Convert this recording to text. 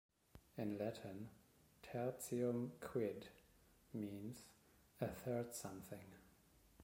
In Latin, "tertium quid" means "a third something".